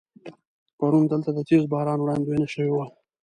پرون دلته د تیز باران وړاندوينه شوې وه.